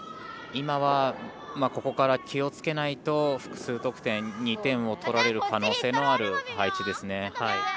今はここから気をつけないと複数得点、２点を取られる可能性のある配置ですね。